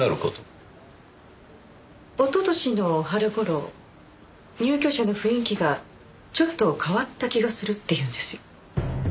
一昨年の春頃入居者の雰囲気がちょっと変わった気がするって言うんですよ。